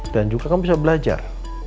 dan juga kamu bisa belajar